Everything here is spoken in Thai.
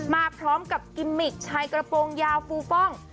มาพร้อมกับกิมมิกชายกระโปรงยาวฟูฟ่อง